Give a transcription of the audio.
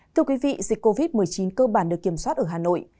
thưa quý vị dịch covid một mươi chín cơ bản được kiểm soát ở hà nội